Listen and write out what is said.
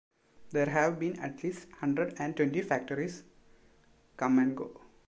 "There have been at least hundred and twenty factories" come and go.